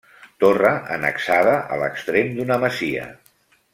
Torre annexada a l'extrem d'una masia.